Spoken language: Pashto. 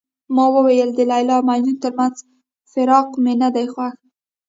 ما وویل د لیلا او مجنون ترمنځ فراق مې نه دی خوښ.